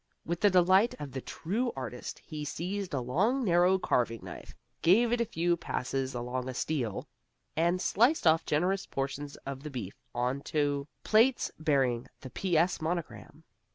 With the delight of the true artist he seized a long narrow carving knife, gave it a few passes along a steel, and sliced off generous portions of the beef onto plates bearing the P. S. monogram.